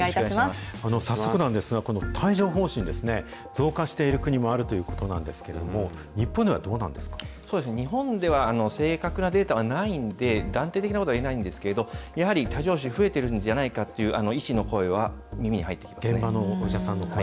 早速なんですが、この帯状ほう疹ですね、増加している国もあるということなんですけれども、そうですね、日本では正確なデータはないんで、断定的なことは言えないんですけど、やはり帯状ほう疹、増えてるんじゃないかっていう医師の声は耳に入ってき現場のお医者さんの声。